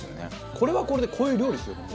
これはこれでこういう料理ですよね。